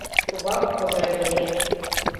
Тугак Кожер лие.